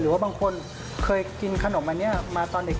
หรือว่าบางคนเคยกินขนมอันนี้มาตอนเด็ก